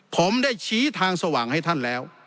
ผมได้ชี้ทางสว่างให้ท่านแล้ว